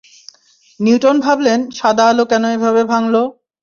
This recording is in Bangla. নিউটন ভাবলেন, সাদা আলো কেন এভাবে ভাঙল।